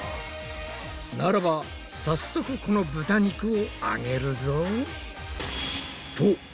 ならば早速この豚肉を揚げるぞ。